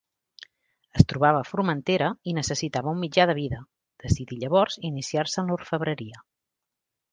Es trobava a Formentera i necessitava un mitjà de vida, decidí llavors iniciar-se en l'orfebreria.